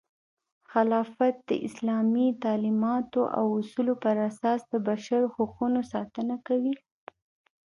خلافت د اسلامي تعلیماتو او اصولو پراساس د بشر حقونو ساتنه کوي.